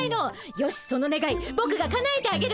よしそのねがいぼくがかなえてあげる。